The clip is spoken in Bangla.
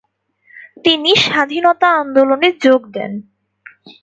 তিনি স্বাধীনতা আন্দোলনে যোগ দেন।